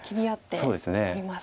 そうですね。